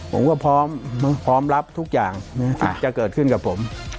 ผมก็พร้อมพร้อมรับทุกอย่างที่จะเกิดขึ้นกับผม